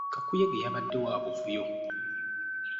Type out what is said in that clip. Kakuyege yabadde wa buvuyo.